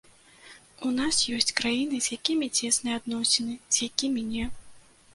У нас ёсць краіны, з якімі цесныя адносіны, з якімі не.